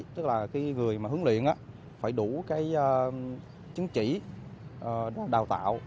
tức là cái người mà huấn luyện phải đủ cái chứng chỉ đào tạo